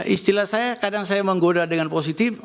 istilah saya kadang saya menggoda dengan positif